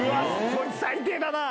そいつ最低だな。